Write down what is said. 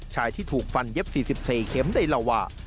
ชายที่ถูกฟันเย็บ๔๔เข็มได้เล่าว่า